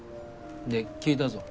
で聞いたぞ。